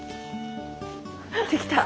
できた！